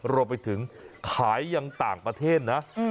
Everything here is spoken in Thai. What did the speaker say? รวมไปถึงขายยังต่างประเทศนะ